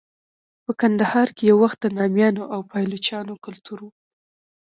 په کندهار کې یو وخت د نامیانو او پایلوچانو کلتور و.